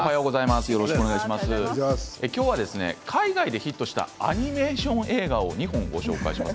今日は海外でヒットしたアニメーション映画を２本ご紹介します。